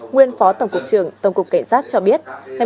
nguyên phó tổng cục trường tổng cục kể sát cho biết